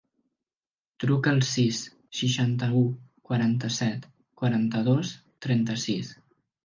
Truca al sis, seixanta-u, quaranta-set, quaranta-dos, trenta-sis.